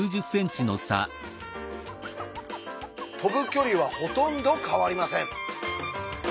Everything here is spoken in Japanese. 飛ぶ距離はほとんど変わりません。